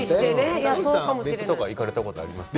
別府は行かれたことありますか？